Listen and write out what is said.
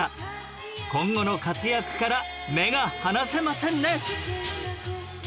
今後の活躍から目が離せませんね！